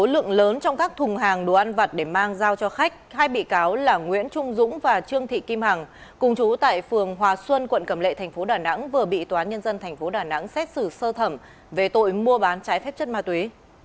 lượng lớn trong các thùng hàng đồ ăn vặt để mang giao cho khách hai bị cáo là nguyễn trung dũng và trương thị kim hằng cùng chú tại phường hòa xuân quận cầm lệ tp đà nẵng vừa bị tòa nhân dân tp đà nẵng xét xử sơ thẩm về tội mua bán trái phép chất ma túy